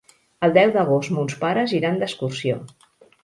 El deu d'agost mons pares iran d'excursió.